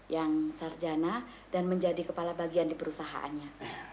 yang sarjana dan menjadi kepala bagian di perusahaannya